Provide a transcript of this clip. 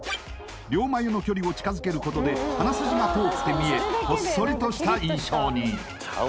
両眉の距離を近づけることで鼻筋が通って見えほっそりとした印象に！